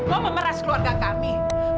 mau memeras keluarga kami